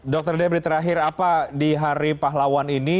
dr debri terakhir apa di hari pahlawan ini